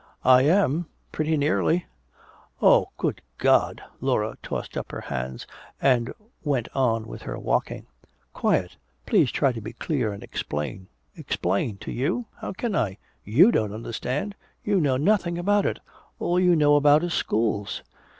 "I am pretty nearly " "Oh, good God!" Laura tossed up her hands and went on with her walking. "Quiet! Please try to be clear and explain." "Explain to you? How can I? You don't understand you know nothing about it all you know about is schools!